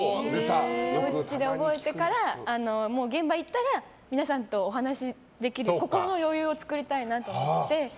おうちで覚えてから現場行ったら皆さんとお話しできる心の余裕を作りたいなと思って。